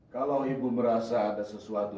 kalau ibu merasa ada sesuatu